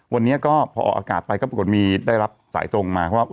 วันนี้ก็พอออกอากาศไปก็ปรากฏมีได้รับสายตรงมาว่า